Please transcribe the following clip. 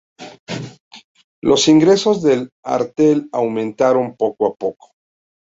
Los ingresos del artel aumentaron poco a poco.